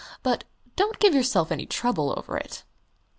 But don't give yourself any trouble over it."